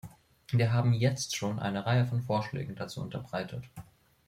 Wir haben jetzt schon eine Reihe von Vorschlägen dazu unterbreitet.